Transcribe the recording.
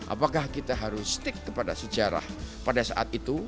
apakah kita harus stick kepada sejarah pada saat itu